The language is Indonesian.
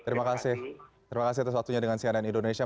terima kasih terima kasih atas waktunya dengan cnn indonesia